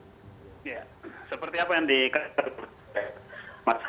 ya seperti apa yang dikatakan mas hanta